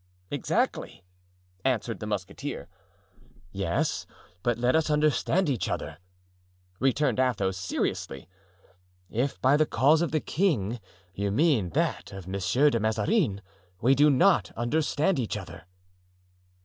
"Exactly," answered the musketeer. "Yes, but let us understand each other," returned Athos, seriously. "If by the cause of the king you mean that of Monsieur de Mazarin, we do not understand each other."